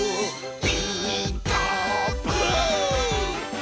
「ピーカーブ！」